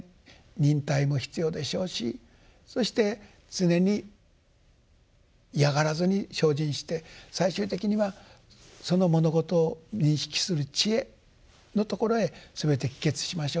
忍耐も必要でしょうしそして常に嫌がらずに精進して最終的にはその物事を認識する智慧のところへすべて帰結しましょう。